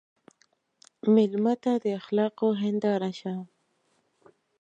مېلمه ته د اخلاقو هنداره شه.